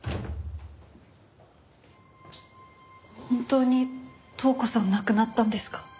本当に塔子さん亡くなったんですか？